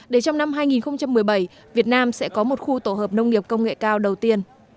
để trong năm hai nghìn một mươi bảy việt nam sẽ có một khu tổ hợp nông nghiệp công nghệ cao đầu tiên